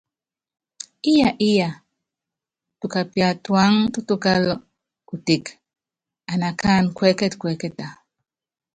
Íya íya, tukapia tuáŋá tútukála kuteke anakánɛ́ kuɛ́kɛtɛ kuɛ́kɛta?